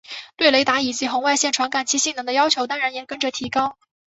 对雷达以及红外线传感器性能的要求当然也跟着提高。